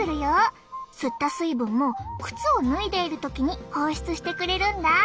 吸った水分も靴を脱いでいる時に放出してくれるんだ。